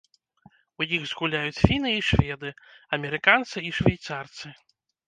У іх згуляюць фіны і шведы, амерыканцы і швейцарцы.